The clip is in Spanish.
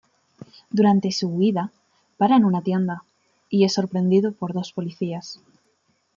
Durante su huida, para en una tienda, y es sorprendido por dos policías.